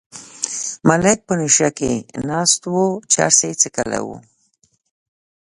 ملک په نشه کې ناست و چرس یې څکلي وو.